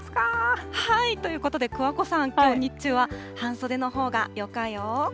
ということで、桑子さん、きょう日中は半袖のほうがよかよー。